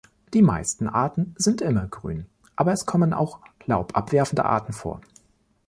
Die meisten Arten sind immergrün, aber es kommen auch laubabwerfende Arten vor.